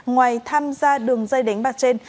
ngoài tham gia đường dây đánh bạc trên